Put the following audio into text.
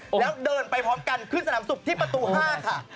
แล้วเดินไปพร้อมกันขึ้นสนามสุขที่ประตู๕ค่ะ